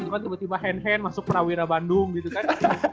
cuman tiba tiba hen hen masuk perawira bandung gitu kan